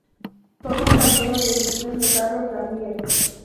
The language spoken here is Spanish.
Fue compañero de misión de Carlos Garnier.